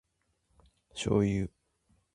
Show you.